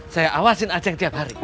saya awasin aceh tiap hari